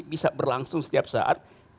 bisa berlangsung setiap saat